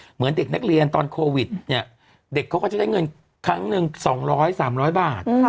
เหมือนเด็กนักเรียนตอนโควิดเนี่ยเด็กเขาก็จะได้เงินครั้งหนึ่ง๒๐๐๓๐๐บาท